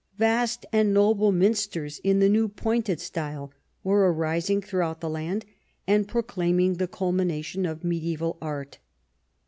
' Vast and noble minsters in the new Pointed style were arising throughout the land, and proclaiming the culmination of mediaeval art.